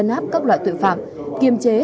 ngáp các loại tội phạm kiềm chế